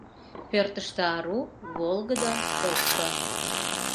Пӧртыштӧ ару, волгыдо, шокшо.